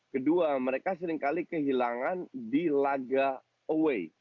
kedua mereka seringkali kehilangan di laga away